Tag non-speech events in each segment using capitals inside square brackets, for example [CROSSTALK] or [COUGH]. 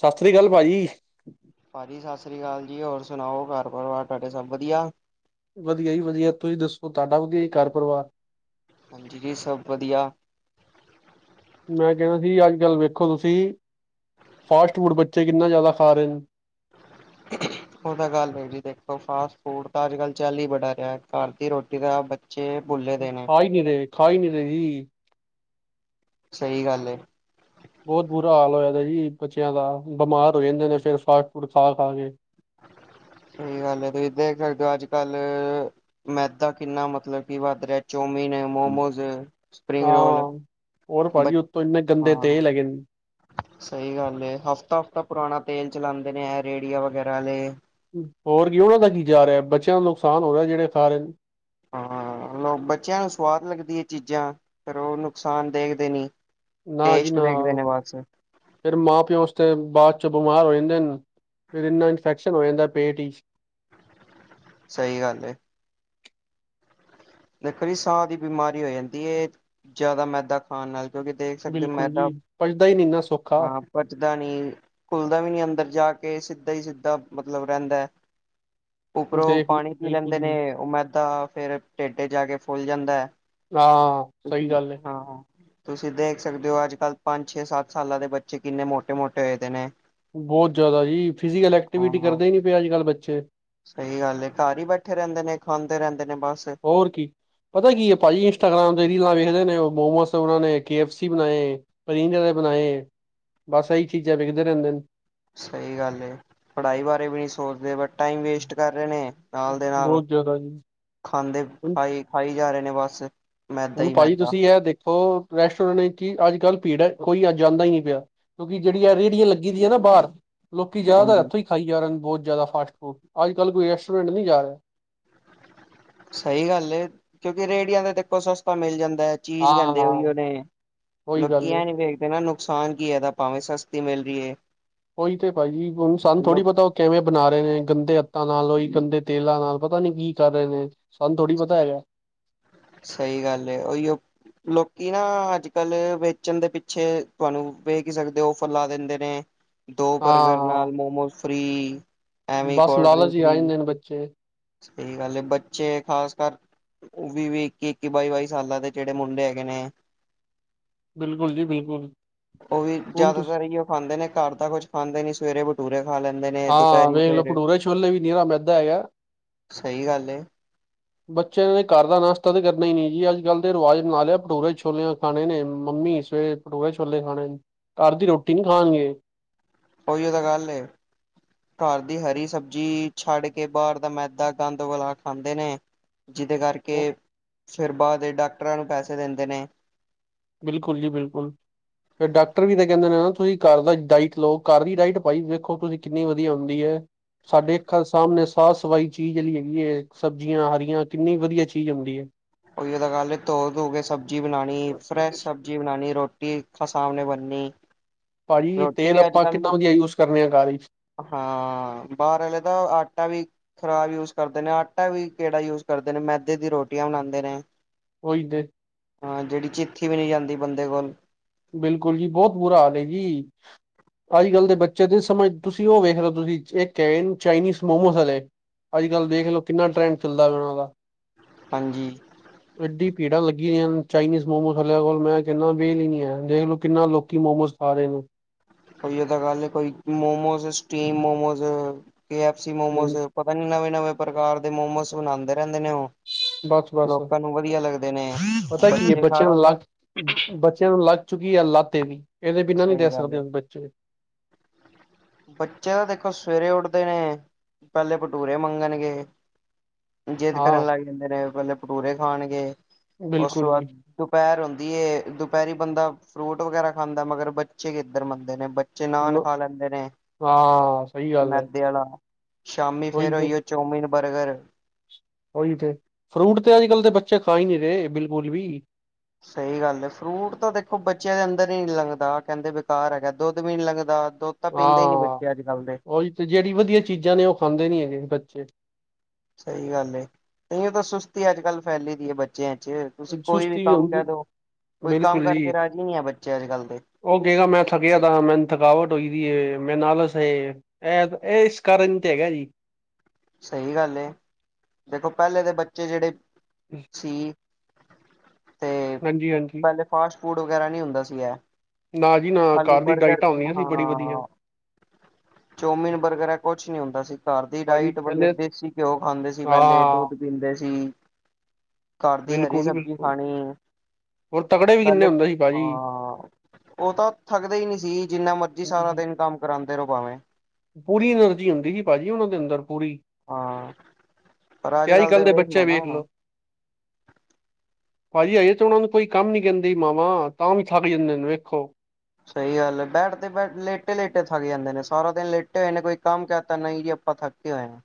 ਸਾਸ ਸ੍ਰੀ ਕਾਲ ਭਾਜੀ। ਭਾਜੀ ਸਾਸ ਸ੍ਰੀ ਕਾਲ ਜੀ, ਹੋਰ ਸੁਨਾਓ ਘਾਰ ਪਰਵਾਰ ਤੁਹਾਡੇ ਸਬ ਵਦੀਆ? ਵਦੀਆ ਜੀ ਵਦੀਆ, ਤੁਸੀਂ ਦੱਸੋ ਤੁਆਡਾ ਵਦੀਆ ਜੀ ਘਾਰ ਪਰਵਾਰ? ਹਾਂਜੀ, ਜੀ ਸਬ ਵਦੀਆ। ਮੈਂ ਕੈਣਾ ਸੀ ਅੱਜ-ਕੱਲ ਵੇਖੋ ਤੁਸੀ, ਫਾਸਟ ਫੂੜ ਬੱਚੇ ਕਿੰਨਾ ਜਿਆਦਾ ਖਾ ਰੇਨ। ਓ ਤਾਂ ਗਾੱਲ ਏ ਜੀ, ਦੇਖੋ ਫਾਸਟ ਫੂੜ ਤਾਂ ਅੱਜ-ਕੱਲ ਚੱਲ ਈ ਬੜਾ ਰੇਆ, ਘਾਰ ਦੀ ਰੋਟੀ ਦਾ ਬੱਚੇ ਭੁੱਲੇ ਦੇ ਨੇ। ਨੀ ਰਏ, ਖਾਈ ਨੀ ਰਈ। ਸਈ ਗਾੱਲ ਏ। ਬੋਤ ਬੁਰਾ ਹਾਲ ਹੋਯਾ ਦਾ ਜੀ, ਬੱਚੇਆਂ ਦਾ ਬਮਾਰ ਹੋ ਜਾਂਦੇ ਨੇ ਫੇਰ ਫਾਸਟ ਫੂੜ ਖਾ, ਖਾ ਕੇ। ਹੂੰ, ਸਈ ਗਾੱਲ ਐ ਤੁਸੀਂ ਦੇਖ ਸਕਦੇ ਓ ਆੱਜ-ਕਾੱਲ ਮੈਦਾ ਕਿੰਨਾ ਮਤਲਬ ਕੀ ਵਾੱਦ ਰੇਆ, ਚੋਮੀਨ ਮੋਮੋਜ਼, ਸਿਪਰਿੰਗ ਹਾਂ ਰੋਲ, ਹੋਰ ਭਾਜੀ ਉੱਤੋਂ ਇੰਨੇ ਗੰਦੇ ਹਾਂ ਤੇਲ ਹੈਗੇ ਨੇ ਸਈ ਗਾੱਲ ਏ, ਹਫ਼ਤਾ, ਹਫਤਾ ਪੁਰਾਣਾ ਤੇਲ ਚਲਾਂਦੇ ਨੇ ਐ ਰੇੜੀਆ ਵਗੈਰਾ ਵਾਲੇ। ਹੋਰ ਕੀ ਓਨਾਂ ਦਾ ਕੀ ਜਾ ਰੇਆ, ਬੱਚੇਆਂ ਦਾ ਨੁਕਸਾਨ ਹੋ ਰੇਆ ਜੇੜੇ ਖਾ ਰੇਨ। ਹਾਂ, ਹਾਂ ਲੋਕ ਬੱਚੇਆਂ ਨੂੰ ਸਵਾਦ ਲੱਗਦੀ ਏ ਚੀਜਾਂ, ਫੇਰ ਓ ਨੁਕਸਾਨ ਦੇਖਦੇ ਨੀ। ਨਾ ਜੀ ਟੇਸਟ ਨਾ, ਵੇਖਦੇ ਨੇ ਬਸ ਫੇਰ ਮਾਂ ਪੇਓ ਓਸ ਟਈਮ ਬਾਚੋਂ ਬਮਾਰ ਹੋ ਜਾਂਦੇਨ। ਫੇਰ ਇੰਨਾ ਇਨਫੈਕਸ਼ਨ ਹੋ ਜਾਂਦੈ ਪੇਟ ਈਚ। ਸਈ ਗਾੱਲ ਏ। ਦੇਖੋ ਜੀ ਸਾਹ ਦੀ ਬਿਮਾਰੀ ਹੋ ਜਾਂਦੀ ਏ ਜਾਦਾ ਮੈਦਾ ਹਾਂ ਨਾਲ ਕੇਓਕੇ ਦੇਖ ਸਕਦੇ ਬਿਲਕੁਲ ਮੈਦਾ ਜੀ ਪਚਦਾ ਹੀ ਨਹੀਂ ਨਾ ਸੌਖਾ ਪਚਦਾ ਨੀ, ਘੂੱਲਦਾ ਵੀ ਨੀ ਅੰਦਰ ਜਾ ਕੇ ਸਿੱਦਾ ਈ ਸਿੱਦਾ ਮਤਲਬ ਰੈਂਦੈ। [INAUDIBLE] ਉਪਰੋ ਦੇਖ ਪਾਣੀ ਪੀ ਬਿਲਕੁਲ ਲੈਂਦੇ ਜੀ ਨੇ, ਓ ਮੈਦਾ ਫੇਰ ਢੇਡ ਚ ਜਾਕੇ ਫੁੱਲ ਜਾਂਦੈ। ਹਾਂ, ਸਈ ਗੱਲ ਏ। ਤੁਸੀਂ ਦੇਖ ਸਕਦੇ ਓ ਆੱਜ-ਕੱਲ ਪੰਜ, ਛੇ, ਸਾੱਤ ਸਾਲਾਂ ਦੇ ਬੱਚੇ ਕਿੰਨੇ ਮੋਟੇ, ਮੋਟੇ ਹੋਏ ਦੇ ਨੇ। ਬੋਤ ਜਾਦਾ ਜੀ ਫਿਜੀ਼ਕਲ ਐਕਟੀਵਿਟੀ ਕਰਦੇ ਈ ਨੀ ਪਏ ਅੱਜ-ਕੱਲ੍ਹ ਬੱਚੇ। ਸਈ ਗਾੱਲ ਏ ਘਾਰ ਈ ਬੈਠੇ ਰੈਂਦੇ ਨੇ ਖਾਂਦੇ ਰੈਦੇ ਨੇ ਬਾਸ। ਹੋਰ ਕੀ। ਪਤਾ ਕੀ ਏ ਭਾਜੀ, ਇੰਸਟਾਗ੍ਰਾਮ ਤੇ ਰੀਲਾਂ ਵੇਖਦੇ ਨੇ ਓ ਮੋਮੋਸ ਓਨਾਂ ਨੇ ਕੇ ਐਫ ਸੀ ਬਣਾਏ ਪਨੀਰ ਦੇ ਬਨਾਏ ਬਸ ਐਈ ਚੀਜਾ ਵਿਕਦੇ ਰੈਂਦੇ ਨ। ਸਈ ਗਾੱਲ ਏ, ਪੜ੍ਹਾਈ ਬਾਰੇ ਵੀ ਨੀ ਸੋਚਦੇ ਬਟ ਟਾਈਮ ਵੇਸਟ ਕਰ ਰੇ ਨੇ, ਨਾਲ਼ ਦੇ ਨਾਲ਼। ਬੋਤ ਜੇਆਦਾ ਜੀ। ਖਾਂਦੇ, ਖਾਈ, ਖਾਈ ਜਾ ਰੇ ਨੇ ਬਾਸ। ਹੁਨ ਭਾਜੀ ਤੁਸੀਂ ਐ ਦੇਖੋ, ਰੈਸਟੋਰੈਂਟ ਵਿੱਚ ਕੀ, ਅੱਜ-ਕੱਲ ਭੀੜ ਐ ਕੋਈ ਜਾਂਦਾ ਈ ਨੀ ਪੇਆ। ਕੇਓਕਿ ਜੇੜੀ ਆ ਰੇੜੀਆਂ, ਲੱਗੀ ਦੀਆਂ ਨਾ ਬਾਹਰ ਲੋਕੀ ਜੇਆਦਾਤਰ ਹਾਂਜੀ ਐਥੋਂ ਈ ਖਾਈ ਜਾ ਰਏ ਨੇ ਬੋਤ ਜੇਆਦਾ ਫਾਸਟਫੂੜ, ਆੱਜ-ਕੱਲ ਕੋਈ ਰੈਸਟੋਰੰਟ ਨੀ ਜਾਰੇਆ ਸਈ ਗੱਲ ਏ, ਕੇਓਕਿ ਰੇੜੀਆਂ ਤੇ ਤਾ ਦੇਖੋ ਸਸਤਾ ਮਿਲ ਜਾਂਦੈ। ਚੀਜ਼, ਕੈੰਦੇ ਓਈ ਓ ਹਾਂ-ਹਾਂ, ਨੇ, ਉਹੀ ਗੱਲ ਲੋਕੀ ਏ। ਐਂ ਨੀ ਵੇਖਦੇ ਨਾ। ਨੁਕਸਾਨ ਕੀ ਹੈਗਾ ਭਾਵੇਂ ਸਸਤੀ ਮਿਲ ਰਹੀ ਏ। ਉਹੀ ਤੇ ਭਾਈਜੀ ਹੁਨ ਸਾਨੂੰਥੋੜੀ ਪਤਾ ਕਿਵੇਂ ਬਨਾ ਰਹੇ ਨੇ, ਗੰਦੇ ਹੱਥਾਂ ਨਾਲ ਓਈ ਗੰਦੇ ਤੇਲਾਂ ਨਾਲ ਪਤਾ ਨੀ ਕੀ ਕਰ ਰਏ ਨੇ? ਸਾਂਨ ਥੋੜੀ ਪਤਾ ਹੈ ਐਗਾ। ਸਹੀ ਗੱਲ ਏ ਓਈਓ ਲੋਕੀ ਨਾ ਆੱਜ-ਕਾੱਲ, ਵੇਚਨ ਦੇ ਪਿੱਛੇ ਤੁਆਨੂੰ ਬੇਕਿਸਕ ਦੇ ਓਫਰ ਦਿੰਦੇ ਨੇ ਦੋ ਬਰਗਰ ਹਾਂ ਨਾਲ ਮੋਮੋਸ ਫ੍ਰੀ‌। ਬਸ ਲਾਲਾ ਜੀ ਆ ਜਾਂਦੇ ਨੇ ਬੱਚੇ [UNINTELLIGIBLE] ਸਹੀ ਗੱਲ ਏ ਬੱਚੇ ਖ਼ਾਸ ਕਰ ਉਹ ਵੀ ਇੱਕ ਇੱਕੀ ਬਾਈ ਬਾਈ ਸਾਲਾਂ ਦੇ ਜਿਹੜੇ ਮੁੰਡੇ ਹੈਗੇ ਨੇ ਬਿਲਕੁਲ ਜੀ ਬਿਲਕੁਲ ਉਹ ਵੀ ਹੁਣ ਤੁਸੀਂ ਜਿਆਦਾਤਰਹੀ [UNINTELLIGIBLE] ਖਾਂਦੇ ਨੇ ਘਰ ਤਾਂ ਕੁੱਝ ਖਾਂਦੇ ਨੀ ਸਵੇਰੇ ਬਟੂਰੇ ਖਾ ਲੈਂਦੇ ਨੇ, ਦੁਪਹਿਰੀ ਫੇਰ ਛੋਲਲੇ ਵੀ ਨੀਰਾ ਮੈਦਾ ਹੈਗਾ ਸਹੀ ਗੱਲ ਏ। ਬੱਚਿਆਂ ਨੇ ਘਰ ਦਾ ਨਾਸ਼ਤਾ ਤਾਂ ਕਰਨਾ ਹੀ ਨੀ, ਜੀ ਅੱਜ ਕੱਲ੍ਹ ਦੇ ਰਿਵਾਜ਼ ਨਾਲ ਲਿਆ, ਭਟੋਰੇ ਛੋਲਿਆਂ ਖਾਣੇ ਨੇ ਮੰਮੀ ਸਵੇਰੇ ਭਟੋਰੇ ਛੋਲੇ ਖਾਣੇ ਨੇ, ਘਾਰ ਦੀ ਰੋਟੀ ਨੀ ਖਾਣਗੇ। ਉਹੀ ਉਹ ਤਾਂ ਗੱਲ ਏ ਘਰ ਦੀ ਹਰੀ ਸਬਜ਼ੀ ਛੱਡ ਕੇ ਬਾਹਰ ਦਾ ਮੈਦਾ ਗੰਦ ਵਾਲਾ ਖਾਂਦੇ ਨੇ। ਜਿਹਦੇ ਉਹ, ਕਰਕੇ, ਫਿਰ ਬਾਅਦ ਦ ਡਾਕਟਰਾਂ ਨੂੰ ਪੈਸੇ ਦਿੰਦੇ ਨੇ। ਬਿਲਕੁਲ ਜੀ ਬਿਲਕੁਲ। ਫੇਰ ਡਾਕਟਰ ਵੀ ਤਾਂ ਕਹਿੰਦੇ ਨੇ ਨਾ ਤੁਸੀਂ ਘਰ ਦਾ ਡਾਈਟ ਲਓ ਘਰ ਦੀ ਡਾਈਟ ਭਾਈ ਦੇਖੋ ਤੁਸੀ ਕਿੰਨੀ ਵਧੀਆ ਹੁੰਦੀ ਏ। ਸਾਡੇ ਅੱਖਾਂ ਸਾਹਮਣੇ ਸਾਫ਼ ਸਫ਼ਾਈ ਚੀਜ਼ ਜਿਹੜੀ ਹੇਗੀ ਏ, ਸਬਜ਼ੀਆਂ ਹਰੀਆਂ ਕਿੰਨੀ ਵਧੀਆ ਚੀਜ਼ ਆਂਉਂਦੀ ਏ। ਉਹੀਓ ਤਾ ਕੱਲ ਏ ਧੋ ਧੂ ਕੇ ਸਬਜ਼ੀ ਬਣਾਣੀ ਫਰੈਸ਼ ਸਬਜ਼ੀ ਬਣਾਣੀ, ਰੋਟੀ ਰਟੀ ਖਾ ਸਾਹਮਣੇ ਬਣਨੀ ਭਾਜੀ ਰੋਟੀ ਤੇਲ ਵੀ ਅੱਜ ਆਪਾਂ ਕਿੱਦਾਂ ਕੱਲ ਵਧੀਆ ਯੂਜ ਕਰਨੇ ਆਂ ਘਾਰ ਈਚ। ਹਾਂ ਬਾਹਰ ਆਲੇ ਦਾ ਆਟਾ ਵੀ ਖ਼ਰਾਬ ਯੂਜ ਕਰਦੇ ਨੇ ਆਟਾ ਵੀ ਕਿਹੜਾ ਯੂਜ ਕਰਦੇ ਨੇ ਮੈਦੇ ਦੀ ਰੋਟੀਆਂ ਬਣਾਂਦੇ ਨੇ। ਉਈ ਤੇ ਹਾਂ ਜਿਹੜੀ ਚਿੱਥੀ ਵੀ ਨੀਂ ਜਾਂਦੀ ਬੰਦੇ ਕੋਲ। ਬਿਲਕੁਲ ਜੀ, ਬਹੁਤ ਬੁਰਾ ਹਾਲ ਏ ਜੀ। ਅੱਜ ਕੱਲ੍ਹ ਦੇ ਬੱਚੇ ਦੇ ਸਮਝ, ਤੁਸੀਂ ਉਹ ਵੇਖ ਲ ਤੁਸੀਂ ਇੱਕ ਚਾਈਨੀਜ਼ ਮੋਮੋਸ ਵਾਲੇ ਅੱਜ ਕੱਲ੍ਹ ਦੇਖ ਲਓ ਕਿੰਨਾ ਟਰੈਂਡ ਚੱਲਦਾ ਵ ਉਹਨਾਂ ਦਾ। ਹਾਂਜੀ। ਐਏਡੀ ਭੀੜਾਂ ਲੱਗੀਆਂ ਅਨ ਚਾਈਨੀਜ਼ ਮੋਮੋਸ ਹਾਲੇ ਕੋਲ, ਮੈਂ ਕਹਿੰਨਾ ਵੇਹਲ ਹੀ ਨਹੀਂ ਐੰ। ਦੇਖਲੋ ਕਿੰਨਾ ਲੋਕੀ ਮੋਮੋਸ ਖਾ ਰਹੇਨੇ। ਓਈਓ ਤਾਂ ਗਲ ਏ ਕੋਈ momos steam momos, K FC ਨੇ ਮੋਮੋਜ਼। ਪਤਾ ਨੀ ਨਵੇਂ ਨਵੇਂ ਪ੍ਰਕਾਰ ਦੇ ਮੋਮੋਸ ਬਣਾਉਂਦੇ ਰਹਿੰਦੇ ਨੇ ਉਹ। ਬਸ ਬਸ ਲੋਕਾਂ ਨੂੰ ਵਧੀਆ ਲੱਗਦੇ ਨੇ, ਪਤਾ ਕੀ ਹੈ ਬੱਚੇ ਬੱਚਿਆਂ ਸਾਰਾ ਨੂੰ ਲੱਗ ਬੱਚਿਆਂ ਨੂੰ ਲੱਗ ਚੁੱਕੀ ਐ ਲੱਤ ਇਹਦੀ, ਏਦੇਂ ਬਿਨਾਂ ਨੀ ਸਹੀ ਰੈ ਗੱਲ ਸਕਦੇ ਹੈ ਹੁਨ ਬੱਚੇ। ਬੱਚੇਆਂ ਦੇਖੋ ਸਵੇਰੇ ਉੱਠਦੇ ਨੇ ਪਹਿਲੇ ਭਟੂਰੇ ਮੰਗਣਗੇ ਜਿੱਦ ਹਾਂ ਕਰਨ ਲੱਗ ਜਾਂਦੇ ਨੇ ਪਹਿਲੇ ਭਟੂਰੇ ਖਾਣਗੇ, ਉਸ ਤੋਂ ਬਿਲਕੁਲ ਜੀ ਬਾਅਦ ਦੁਪਹਿਰ ਹੁੰਦੀ ਏ, ਦੁਪਹਿਰੀ ਬੰਦਾ ਫਰੂਟ ਵਗੈਰਾ ਖਾਂਦਾ ਮਗਰ ਬੱਚੇ ਕਿੱਧਰ ਮੰਨਦੇ ਨੇ। ਨ ਦੇ ਨੇ, ਹਾਂ ਸਹੀ ਗੱਲ ਹੈ ਮੈਦੇ ਆਲਾ ਸ਼ਾਮੀ ਉਹੀ ਫੇਰ ਤੇ ਉਹੀਓ ਚੋਮੀਨ ਬਰਗਰ। ਉਈ ਤੇ, ਫਰੂਟ ਤੇ ਅੱਜ ਕੱਲ ਦੇ ਬੱਚੇ ਖਾ ਹੀ ਨਹੀਂ ਰਹੇ, ਬਿਲਕੁਲ ਵੀ। ਸਹੀ ਗੱਲ ਏ, ਫਰੂਟ ਤਾਂ ਦੇਖੋ ਬੱਚਿਆਂ ਦੇ ਅੰਦਰ ਹੀ ਨੀ ਲੰਗਦਾ ਕਹਿੰਦੇ ਬੇਕਾਰ ਹੈਗਾ ਦੁੱਧ ਵੀ ਨੀ ਲੰਗਦਾ, ਦੁੱਧ ਤਾਂ ਪੀਂਦੇ ਹੀ ਨੀ ਹਾਂ ਬੱਚੇ ਅੱਜ ਕੱਲ ਦੇ ਉਹੀ ਤੇ ਜਿਹੜੀ ਵਧੀਆ ਚੀਜ਼ਾਂ ਨੇ ਉਹ ਖਾਂਦੇ ਨੀ ਹੈਗੇ ਬੱਚੇ ਸਹੀ ਗੱਲ ਏ, ਨਹੀਂ ਉਹ ਤਾਂ ਸੁਸਤੀ ਅੱਜ ਕੱਲ ਫੈਲੀ ਦੀ ਐ ਬੱਚਿਆਂ 'ਚ'। ਤੁਸੀਂ ਕੋਈ ਵੀ ਸੁਸਤੀ ਕੰਮ ਕਹਿ ਹੁੰਦੀ ਦਓ, ਕੋਈ ਕੰਮ ਕਰਕੇ ਰਾਜ਼ੀ ਨਹੀਂ ਹੈ ਬੱਚੇ ਅੱਜ ਕੱਲ੍ਹ ਦੇ। ਓਕੇਗਾ ਮੈਂ ਥਕਿਆ ਤਾਂ ਮੈਨੂੰ ਥਕਾਵਟ ਹੋਈ ਵੀ ਏ ਮੇਰੇ ਨਾਲਸ ਇਹ। ਐਪ ਇਸ ਕਾਰਨ ਤੇ ਹੈਗਾ ਜੀ। ਸਹੀ ਗੱਲ ਐ। ਦੇਖੋ ਪਹਿਲੇ ਦੇ ਬੱਚੇ ਜਿਹੜੇ [UNINTELLIGIBLE] ਛੀ ਹਾਂਜੀ, ਹਾਂਜੀ ਫਾਸਟ-ਫੂਡ ਵਗੈਰਾ ਨਈ ਹੁੰਦਾ ਸੀਗਾ। ਨਾ ਜੀ ਨਾ ਅਲੀ ਘਰ ਦੀ ਬਰਗਰ ਡਾਇਟਾਂ ਹੁੰਦੀਆਂ ਸੀ ਹਾਂ ਬੜੀ ਵਧੀਆ ਚੋਮਿਨ, ਬਰਗਰ ਹੈ ਕੁਛ ਨੀ ਹੁੰਦਾ ਸੀ। ਘਰ ਦੀ ਭਾਜੀ ਡਾਇਟ ਬੰਦੇ ਪਹਿਲੇ ਦੇਸੀ ਘਿਓ ਖਾਂਦੇ ਸੀ ਪਹਿਲੇ, ਹਾਂ ਦੁੱਧ ਪੀਂਦੇ ਸੀ। ਘਰ ਦੀ ਹਰੀ ਬਿਲਕੁਲ ਸਬਜ਼ੀ ਬਿਲਕੁਲ ਖਾਣੀ ਹੋਰ ਤਕੜੇ ਵੀ ਪਲ ਕਿੰਨੇ ਹੁੰਦੇ ਸੀ ਭਾਜੀ ਹਾਂ ਉਹ ਤਾਂ ਥੱਕਦੇ ਹੀ ਨਈ ਸੀ। ਜਿੰਨਾ ਮਰਜੀ ਸਾਰਾ ਦਿਨ ਕੰਮ ਕਰਾਉਂਦੇ ਰਹੋ ਭਾਵੇਂ। ਪੂਰੀ ਐਨਰਜੀ ਹੁੰਦੀ ਸੀ, ਭਾਜੀ ਉਹਨਾਂ ਦੇ ਅੰਦਰ ਪੂਰੀ। ਹਾਂ ਪਰ ਤੇ ਅੱਜ ਆਈ ਕੱਲ ਦੇ ਬੱਚੇ ਲੋ ਵੇਖ ਨਾ ਲਓ। ਭਾਜੀ ਅਜੇ ਤੇ ਉਹਨਾਂ ਨੂੰ ਕੋਈ ਕੰਮ ਨੀ ਕਹਿੰਦੀ ਮਾਵਾਂ ਤਾਂ ਵੀ ਥੱਕ ਜਾਂਦੇ ਨੇ। ਵੇਖੋ ਸਹੀ ਗੱਲ ਬੈਠ ਤੇ ਬੈਠ ਲੇਟੇ, ਲੇਟੇ ਥੱਕ ਜਾਂਦੇ ਨੇ। ਸਾਰਾ ਦਿਨ ਲੇਟੇ ਹੋਏ ਨੇ ਕੋਈ ਕੰਮ ਕਤਾ ਨਹੀਂ ਜੀ ਆਪਾਂ ਥੱਕ ਕੀ ਹੋਏਆ?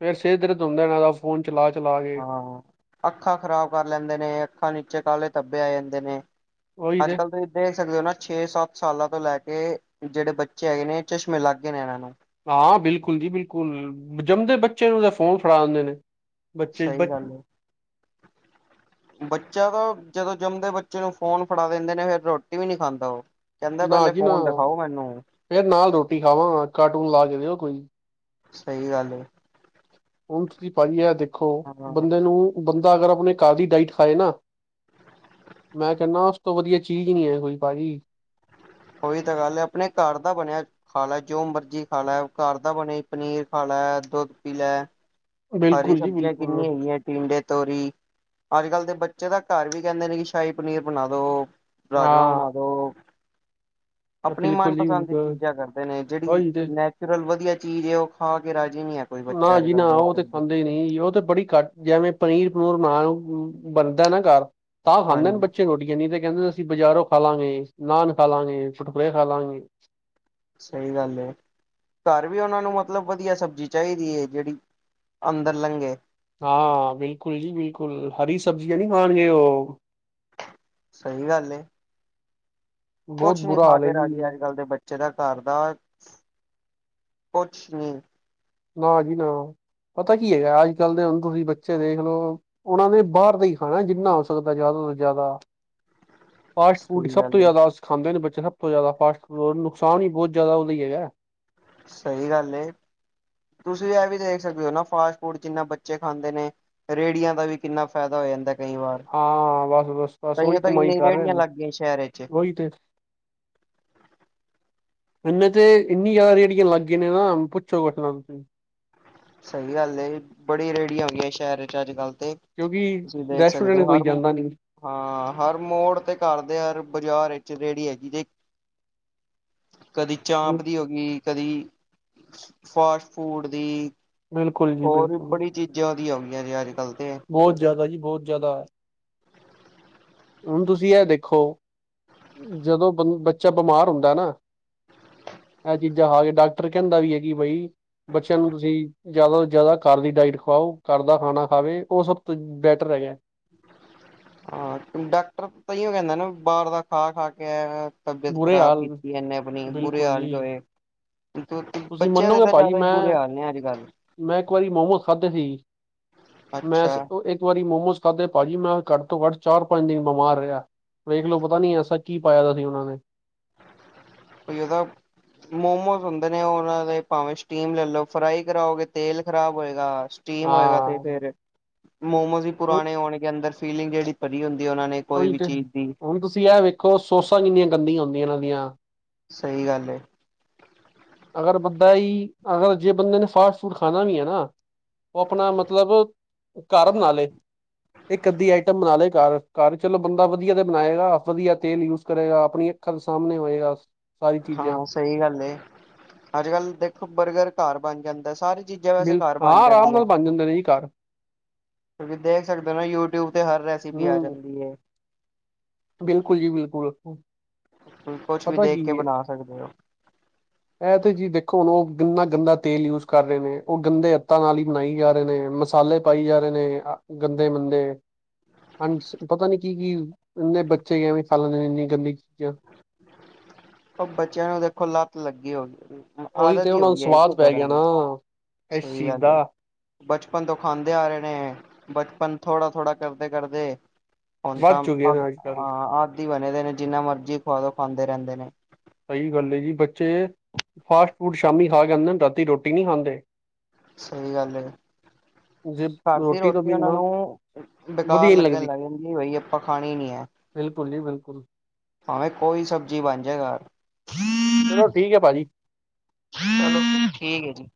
ਫੇਰ ਸਿਰ ਦਰਦ ਹੁੰਦਾ ਨਾ ਫੋਨ ਚਲਾ, ਚਲਾ ਕੇ। ਹਾਂ ਅੱਖਾਂ ਖ਼ਰਾਬ ਕਰ ਲੈਂਦੇ ਨੇ ਅੱਖਾਂ ਨੀਚੇ ਕਾਹਲੇ ਧੱਬੇ ਆ ਜਾਂਦੇ ਨੇ। ਉਹੀ ਤੇ ਅੱਜ-ਕੱਲ੍ਹ ਦੇਖ ਸਕਦੇ ਹੋ ਨਾ ਛੇ ਸੱਤ ਸਾਲਾਂ ਤੋਂ ਲੈ ਕੇ ਜਿਹੜੇ ਬੱਚੇ ਹੈਗੇ ਨੇ ਚਸ਼ਮੇ ਲੱਗ ਗਏ ਨੇ ਇਹਨਾਂ ਨੂੰ। ਹਾਂ ਬਿਲਕੁਲ ਜੀ, ਬਿਲਕੁਲ ਜੰਮਦੇ ਬੱਚੇ ਨੇ ਉਹਦੇ ਫੋਨ ਫੜਾ ਦਦੇ ਨੇ। ਬੱਚੇ ਬ ਸਹੀ ਗੱਲ ਐ। [UNINTELLIGIBLE] ਬੱਚਾ ਤਾਂ ਜਦੋਂ ਜੰਮਦੇ ਬੱਚੇ ਨੂੰ ਫੋਨ ਫੜਾ ਦਿੰਦੇ ਨੇ, ਫਿਰ ਰੋਟੀ ਵੀ ਨਹੀਂ ਖਾਂਦਾ ਉਹ। ਕਹਿੰਦਾ ਨਾ ਪਹਿਲੇ ਜੀ ਨਾ ਫੋਨ ਦਿਖਾਓ ਮੈਨੂੰ ਫੇਰ ਨਾਲ ਰੋਟੀ ਖਾਵਾਂ ਕਾਰਟੂਨ ਲਾ ਕੇ ਦਿਓ ਕੋਈ। ਸਹੀ ਗੱਲ ਏ। ਹੁਣ ਤੁਸੀਂ ਭਾਈਏ ਦੇਖੋ ਹਾਂ ਬੰਦੇ ਨੂੰ ਬੰਦਾ ਅਗਰ ਆਪਣੇ ਘਰ ਦੀ ਡਾਇਟ ਖਾਏ ਨਾ ਮੈਂ ਕੇਹਨਾ ਉਸ ਤੋਂ ਵਧੀਆ ਚੀਜ਼ ਨੀ ਹੈ ਕੋਈ ਭਾਜੀ। ਉਹੀ ਤਾਂ ਗੱਲ ਹੈ ਆਪਣੇ ਘਰ ਦਾ ਬਣਿਆ। ਖਾ ਲੈ ਜੋ ਮਰਜੀ ਖਾ ਲੈ ਘਰ ਦਾ ਬਣੇ ਪਨੀਰ ਖਾ ਲੈ ਦੁੱਧ ਪੀ ਲੈ। ਹਰੀ ਬਿਲਕੁਲ ਜੀ ਸਬਜ਼ੀਆਂ ਬਿਲਕੁਲ। ਕਿੰਨੀਆਂ ਹੈਗੀਆਂ ਪਡੇ ਤੋਰੀ ਅੱਜ ਕੱਲ ਦੇ ਬੱਚੇ ਦਾ ਘਰ ਵੀ ਕਹਿੰਦੇ ਨੇ ਕਿ ਸ਼ਾਹੀ ਪਨੀਰ ਬਣਾ ਦੋ। ਰਾਜਮਾਂ ਹਾਂ ਬਣਾ ਦੋ। ਆਪਣੀ ਬਿਲਕੁਲ ਜੀ ਮਨਪਸੰਦ ਦੀ ਬਿਲਕੁਲ ਚੀਜ਼ਾਂ ਕਰਦੇ ਨੇ ਜਿਹੜੀ ਉਹੀ ਤੇ। ਨ ਫਲ ਵਧੀਆ ਚੀਜ਼ ਹੈ ਉਹ ਖਾ ਕੇ ਰਾਜ ਨੀ ਹੈ ਕੋਈ ਬੱਚਾ ਅੱਜ ਕੱਲ ਦੇ ਹਾਂਦੇ ਨਹੀਂ ਉਹ ਤੇ ਬੜੀ ਘੱਟ ਜਿਵੇਂ ਪਨੀਰ ਪਨੀਰ ਬਣਾਉਣ ਬਣਦਾ ਨਾ ਘਰ ਤਾਂ ਖਾਂਦੇ ਨੇ ਹਾਂਜੀ ਬੱਚੇ ਰੋਟੀਆਂ ਨ ਤੇ ਕਹਿੰਦੇ ਅਸੀਂ ਬਾਜ਼ਾਰੋਂ ਖਾ ਲਾਂਗੇ, ਨਾਨ ਖਾਵਾਂਗੇ ਟੁਟਕੁਰੇ ਖਾ ਲਾਂਗੇ। ਸਹੀ ਗੱਲ ਐ। ਘਰ ਵੀ ਉਹਨਾਂ ਨੂੰ ਮਤਲਬ ਵਧੀਆ ਸਬਜ਼ੀ ਚਾਹੀਦੀ ਐ। ਜਿਹੜੀ ਅੰਦਰ ਲੰਘੇ ਹਾਂ ਬਿਲਕੁਲ ਜੀ, ਬਿਲਕੁਲ ਹਰੀ ਸਬਜ਼ੀ ਹੈ ਨੀ ਖਾਣਗੇੇ ਓ ਸਹੀ ਗੱਲ ਏ। ਬਹੁਤ ਕੁਛ ਨੀ ਬੁਰਾ ਖਾ ਹਾਲ ਹੈ ਕੇ ਰਾਜੀ ਜੀ ਅੱਜ-ਕੱਲ ਦੇ ਬੱਚੇ ਦਾ ਘਰ ਦਾ ਕੁਛ ਨੀ ਨਾ ਜੀ ਨਾ ਪਤਾ ਕੀ ਹੈਗਾ ਅੱਜ ਕੱਲ ਦੇ ਹਣ ਤੁਸੀਂ ਬੱਚੇ ਦੇਖ ਲਓ। ਉਹਨਾਂ ਨੇ ਬਾਹਰ ਦਾ ਈ ਖਾਣਾ ਜਿੰਨਾ ਹੋ ਸਕਦਾ। ਜ਼ਿਆਦਾ ਤੋਂ ਜ਼ਿਆਦਾ ਫਾਸਟ ਫੂਡ ਸਹੀ ਸਭ ਤੋਂ ਗੱਲ ਏ ਜ਼ਿਆਦਾਸੀ ਖਾਂਦੇ ਬੱਚੇ ਸਭ ਤੋਂ ਜ਼ਿਆਦਾ ਫਾਸਟ ਫੂਡ ਨੁਕਸ ਵੀ ਬਹੁਤ ਜ਼ਦਾ ਹੀ ਹੈਗਾ। ਸਹੀ ਗੱਲ ਏ ਤੁਸੀਂ ਇਹ ਵੀ ਦੇਖ ਸਕਦੇ ਹੋ ਨਾ ਫਾਸਟ ਫੂਡ ਜਿੰਨਾ ਬੱਚੇ ਖਾਂਦੇ ਨੇ। ਰੇੜੀਆਂ ਦਾ ਵੀ ਕਿੰਨਾ ਫਾਇਦਾ ਹੋ ਜਾਂਦਾ। ਕਈ ਵਾਰ ਹਾਂ ਬਸ, ਬਸ, ਬਸ ਓਹੀ ਕਈਆਂ ਤਾਂ ਕਮਾਈ ਇੰਨੀ ਕਰ ਰੇਹੜੀਆਂ ਰਹੇ ਲੱਗ ਗਈਆਂ ਸ਼ਹਿਰ ਵਿੱਚ ਓਹੀ ਤੇ [UNINTELLIGIBLE] ਹੁਣ ਇਥੇ ਇੰਨੀ ਜਿਆਦਾ ਰੇੜੀਆਂ ਲੱਗ ਗਏ ਨੇ ਨਾ ਪੁੱਛੋ ਕੁਛ ਨਾ। ਸਹੀ ਗੱਲ ਏ ਬੜੀ ਰੇਹੜੀਆਂ ਹੋ ਗਈਆਂ ਸ਼ਹਿਰ ਚ ਅੱਜ ਕੱਲ ਤੇ। ਕਿਉਂਕਿ ਤੁਸੀਂ ਦੇਖ ਸਕਦੇ ਹੋ ਰੈਸਟੋਰੈਂਟ ਹਰ ਕੋਈ ਜਾਂਦਾ ਨੀ ਹਾਂ ਹਰ ਮੋੜ ਤੇ ਘਰ ਦੇ ਹਰ ਬਾਜ਼ਾਰ ਵਿੱਚ ਰੇਹੜੀ ਹੈਗੀ ਜੇ। ਕਦੀ ਚਾਂਪ ਦੀ ਹੋ ਗੀ, ਕਦੀ ਫਾਸਟ ਫੂਡ ਦੀ। ਬਿਲਕੁਲ ਜੀ ਹੋਰ ਵੀ ਬਿਲਕੁਲ ਬੜੀ ਚੀਜ਼ਾਂ ਉਹ ਦੀਆਂ ਹੋ ਗਈਆਂ ਜੇ ਅੱਜ ਕੱਲ ਤੇ। ਬਹੁਤ ਜਾਦਾ ਜੀ ਬਹੁਤ ਜਾਦਾ। ਹੁਣ ਤੁਸੀਂ ਇਹ ਦੇਖੋ ਜਦੋਂ ਬੰ ਬੱਚਾ ਬਿਮਾਰ ਹੁੰਦਾ ਨਾ। ਇਹ ਚੀਜ਼ਾਂ ਖਾ ਕੇ ਡਾਕਟਰ ਕਹਿੰਦਾ ਵੀ ਹੈ ਕਿ ਬਈ ਬੱਚਿਆਂ ਨੂੰ ਤੁਸੀਂ ਜਾਦਾ ਤੋਂ ਜਾਦਾ ਘਰ ਦੀ ਡਾਇਟ ਖਵਾਓ। ਘਰ ਦਾ ਖਾਣਾ ਖਾਵੇ ਉਹ ਸਭ ਤੋਂ ਬੈਟਰ ਹੈਗਾ। ਹਾਂ ਡਾਕਟਰ ਤਾਂਈਓ ਕਹਿੰਦਾ ਨਾ ਬਾਰ ਦਾ ਖਾ-ਖਾ ਕੇ ਤਬੀਅਤ ਬੁਰੇ ਖ਼ਰਾਬ ਹਾਲ ਕੀਤੀ ਇਹਨੇ ਆਪਣੀ ਬੁਰੇ ਬਿਲਕੁਲ ਹਾਲ ਜੋ ਜੀ ਹੋਏ। ਤੁਸੀਂ ਬੱਚਿਆਂ ਦੇ ਮੰਨੋਗੇ ਤਾਂ ਭਾਜੀ ਜਾਦਾ ਹੀ ਮੈਂ ਬੁਰੇ ਹਾਲ ਨੇ ਅੱਜ ਕੱਲ। ਮੈਂ ਇੱਕ ਵਾਰੀ ਮੋਮੋਸ ਖਾਧੇ ਸੀ ਮੈਂ ਸਭ ਅੱਛਾ ਤੋਂ ਇੱਕ ਇੱਕ ਵਾਰੀ ਮੋਮੋਸ ਖਾਧੇ ਭਾਜੀ ਮੈਂ ਘੱਟ ਤੋਂ ਘੱਟ ਚਾਰ ਪੰਜ ਦਿਨ ਬਿਮਾਰ ਰਿਹਾ ਵੇਖਲੋ ਪਤਾ ਨੀ ਐਸਾ ਕੀ ਪਾਇਆ ਦਾ ਸੀ ਉਹਨਾਂ ਨੇ। ਕੋਈ ਏਸਾ ਮੋਮੋਸ ਹੁੰਦੇ ਨੇ ਉਹ ਉਹਨਾਂ ਦੇ ਭਾਵੇਂ ਸਟੀਮ ਲੈ ਲਓ ਫਰਾਈ ਕਰਾਓਗੇ ਤੇਲ ਖ਼ਰਾਬ ਹੋਏਗਾ। ਸਟੀਮ ਹੋਏਗਾ ਹਾਂ ਤੇ ਫੇਰ ਮੋਮੋਜ਼ ਹੀ ਉਹ- ਪੁਰਾਣੇ ਹੋਣਗੇ ਅੰਦਰ ਫੀਲਿੰਗ ਜਿਹੜੀ ਭਰੀ ਹੁੰਦੀ ਹੈ ਉਹਨਾਂ ਨੇ ਕੋਈ ਉਹੀ ਵੀ ਤੇ ਚੀਜ਼ ਦੀ ਹੁਣ ਤੁਸੀ ਇਹ ਵੇਖੋ ਸੋਸਾ ਕਿੰਨੀਆਂ ਗੰਦੀਆਂ ਹੁੰਦੀਆਂ ਇਹਨਾ ਦੀਆ। ਸਹੀ ਗੱਲ ਐ। ਅਗਰ ਬੰਦਾ ਇਹੀ ਅਗਰ ਜੇ ਬੰਦੇ ਨੇ ਫਾਸਟ ਫੂਡ ਖਾਣਾ ਵੀ ਹੈ ਨਾ ਉਹ ਆਪਣਾ ਮਤਲਬ ਘਰ ਬਨਾਲੇ। ਇਹ ਅੱਧੀ ਆਈਟਮ ਬਣਾ ਲੇ ਘਰ, ਘਰ ਚਲੋ ਬੰਦਾ ਵਧੀਆ ਤੇ ਬਣਾਏਗਾ ਵਧੀਆ ਤੇਲ ਯੂਜ ਕਰੇਗਾ ਆਪਣੀਆ ਅੱਖਾਂ ਦੇ ਸਾਹਮਣੇ ਹੋਏਗਾ। ਸਾਰੀ ਚੀਜ਼ਾਂ ਹਾਂ ਸਹੀ ਗੱਲ ਅੱਜ ਕੱਲ ਦੇਖੋ ਬਰਗਰ ਘਰ ਬਣ ਜਾਂਦਾ ਸਾਰੇ ਚੀਜ਼ਾਂ ਵੈਸੇ ਬਿਲ ਘਰ ਹਾਂ ਬਣ ਆਰਾਮ ਜਾਂਦੀਆ। ਨਾਲ ਬਣ ਜਾਂਦੇ ਨੇ ਜੀ ਘਰ ਤੁਂ ਦੇਖ ਸਕਦੇ ਹੋ ਨਾ ਯੂਟਿਊਬ ਤੇ ਹਰ ਰੈਸਿਪੀ ਆ ਹੂੰ ਜਾਂਦੀ ਹੈ। ਬਿਲਕੁਲ ਜੀ ਬਿਲਕੁਲ। ਤੁਸੀਂ ਕੁਛ ਵੀ ਪਤਾ ਕੀ ਦੇਖ ਕੇ ਏ ਬਣਾ ਸਕਦੇ ਹੋ। ਇਹ ਤੇ ਜੀ ਦੇਖੋ ਹੁਣ ਉਹ ਕਿੰਨਾ ਗੰਦਾ ਤੇਲ ਯੂਜ ਕਰ ਰਹੇ ਨੇ, ਉਹ ਗੰਦੇ ਅੱਤਾਂ ਨਾਲ ਹੀ ਬਣਾਈ ਜਾ ਰਹੇ ਨੇ ਮਸਾਲੇ ਪਾਈ ਜਾ ਰਹੇ ਨੇ ਗੰਦੇ ਮੰਦੇ। ਹਾਂਜ ਪਤਾ ਨੀ ਕੀ ਕੀ ਇੰਨੇ ਬੱਚੇ ਕਿਵੇਂ ਖਾ ਲੈਂਦੇ ਨੇ ਇੰਨੀ ਗੰਦੀ ਚੀਜ਼ਾ। ਉਹ ਬੱਚਿਆਂ ਨੂੰ ਦੇਖੋ ਲੱਤ ਲੱਗੀ ਹੋ ਗਈ ਉਹੀ ਤੇ ਆਦਤ ਹੀ ਉਹਨਾਂ ਹੋ ਨੂੰ ਗਈ ਹੈ ਇੱਕ ਸਵਾਦ ਪੈ ਤਰ੍ਹਾਂ ਗਿਆ ਦੀ। ਨਾ ਇਸ ਸਹੀ ਚੀਜ਼ ਗੱਲ ਦਾ ਹੈ। ਬਚਪਨ ਤੋਂ ਖਾਂਦੇ ਆ ਰਹੇ ਨੇ ਬਚਪਨ ਥੋੜਾ-ਥੋੜ੍ਹਾ ਕਰਦੇ-ਕਰਦੇ ਹੁਣ ਵੱਧ ਤਾਂ ਹ ਚੁੱਕੇ ਆਦ ਨੇ ਅੱਜ ਕੱਲ੍ਹ ਹਾਂ ਆਦੀ ਬਣੇ ਦੇ ਨੇ ਜਿੰਨਾ ਮਰਜੀ ਖਵਾਦੋ ਖਾਂਦੇ ਰਹਿੰਦੇ ਨੇ। ਸਹੀ ਗੱਲ ਜੀ ਬੱਚੇ ਫਾਸਟ ਫੂਡ ਸ਼ਾਮੀ ਖਾ ਜਾਂਦੇ ਰਾਤੀ ਰੋਟੀ ਨੀ ਖਾਂਦੇ। ਸਹੀ ਗੱਲ ਹੈ, ਜੇ ਘਰ ਦੀ ਤੋਂ ਰੋਟੀ ਉਨਾਂ ਬਿਨਾਂ ਨੂੰ ਬੇਕਾਰ ਵਧੀਆ ਨੀ ਲੱਗਣ ਲੱਗਦੀ ਲੱਗ ਜਾਂਦੀ ਬਈ ਆਪਾਂ ਖਾਣੀ ਨੀ ਹੈ। [UNINTELLIGIBLE] ਬਿਲਕੁਲ। ਭਾਵੇਂ ਕੋਈ ਸਬਜ਼ੀ ਬਣ ਜੇ ਘਰ। ਚਲੋ ਠੀਕ ਹੈ ਭਾਜੀ। ਚਲੋ ਠੀਕ ਹੈ ਜੀ।